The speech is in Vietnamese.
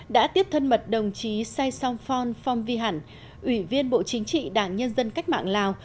đã tiếp thân mật đồng chí sai song phong phong vi hẳn ủy viên bộ chính trị đảng nhân dân cách mạng lào